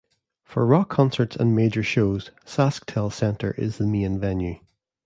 For rock concerts and major shows, SaskTel Centre is the main venue.